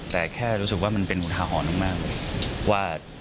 แต่แค่รู้สึกว่ามันเป็นหวุทาหอนอกนะว่า